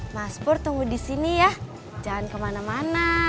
mas pur tunggu disini ya jangan kemana mana